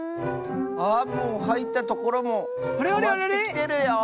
あもうはいったところもかわってきてるよ！